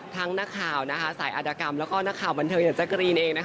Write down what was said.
ทั้งหน้าข่าวสายอาดากรรมแล้วก็หน้าข่าวบันเทิงแจ๊กกะรีนเอง